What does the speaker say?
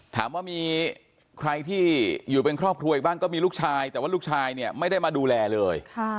ถามว่ามีใครที่อยู่เป็นครอบครัวอีกบ้างก็มีลูกชายแต่ว่าลูกชายเนี่ยไม่ได้มาดูแลเลย